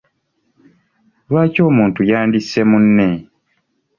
Lwaki omuntu yandisse munne?